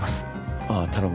ああ頼む。